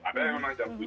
ada yang jam tujuh